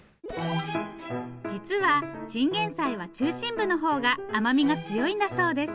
実はチンゲンサイは中心部の方が甘みが強いんだそうです。